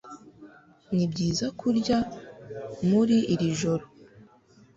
nibyiza kurya muri iri joro